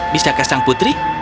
bisakah sang putri